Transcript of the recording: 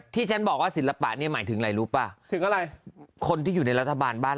ที่ฉันบอกว่าศิลปะเนี่ยหมายถึงอะไรรู้ป่ะถึงอะไรคนที่อยู่ในรัฐบาลบ้าน